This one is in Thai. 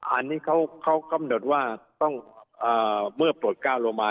อันนี้เขากำหนดว่าต้องใน